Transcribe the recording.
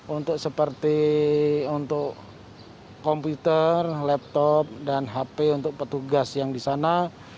untuk seperti untuk komputer laptop dan hp untuk petugas yang di sana